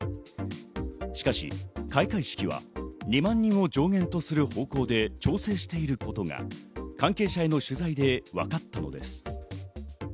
しかし開会式は２万人を上限とする方向で調整していることが関係者への取材で分かったのです。